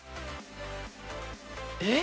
えっ！？